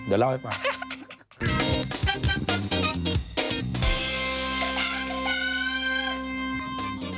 เดี๋ยวเล่าให้ฟัง